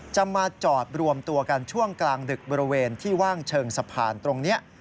จะมาจอดรวมตัวกันช่วงกลางดึกบริเวณที่ว่างเชิงสะพานตรงนี้